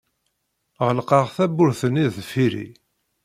Ɣelqeɣ tawwurt-nni deffir-i.